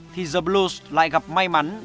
thì the blues lại gặp may mắn